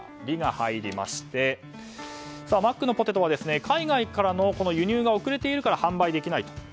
「リ」が入りましてマックのポテトは海外からの輸入が遅れているから販売できないと。